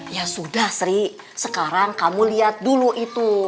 ya sudah sri sekarang kamu lihat dulu itu